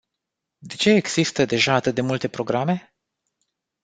De ce există deja atât de multe programe?